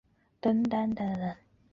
让同学实地接触群众募资